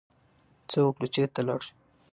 څه وکړو، چرته لاړ شو؟